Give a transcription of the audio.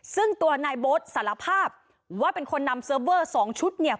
ซึ่งตัวนายโบ๊ทสารภาพว่าเป็นคนนำเซิร์ฟเวอร์๒ชุดเนี่ย